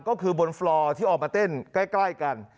ก็คือบนฟลอร์ที่ออกมาเต้นใกล้กัน